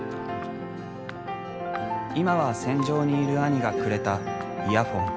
今は戦場にいる兄がくれたイヤホン。